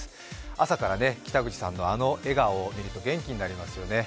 朝から北口さんのあの笑顔を見ると元気になりますよね。